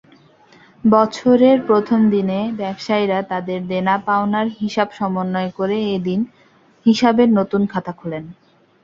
বছরের প্রথম দিনে ব্যবসায়ীরা তাদের দেনা-পাওনার হিসাব সমন্বয় করে এদিন হিসাবের নতুন খাতা খোলেন।